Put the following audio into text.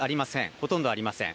ほとんどありません。